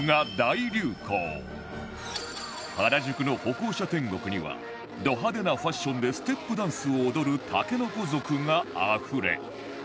原宿の歩行者天国にはド派手なファッションでステップダンスを踊る竹の子族があふれ